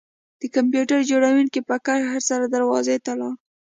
د کمپیوټر جوړونکي په قهر سره دروازې ته لاړ